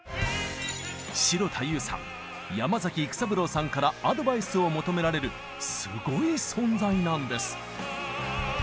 城田優さん山崎育三郎さんからアドバイスを求められるすごい存在なんです！